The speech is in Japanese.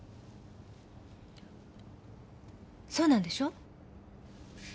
そうなんでしょ？